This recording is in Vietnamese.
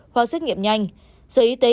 hoặc xét nghiệm nhanh sở y tế